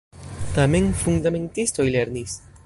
Tamen fundamentistoj lernis.